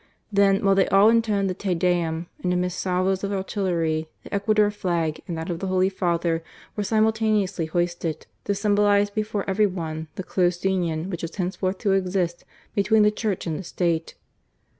Then, while they all intoned the Te Dcum, and amidst salvos of artillery, the Ecuador flag and that of the Holy Father were simultaneously hoisted, to symboli;^e before every one the close union which was henceforth to exist between the Church and the State.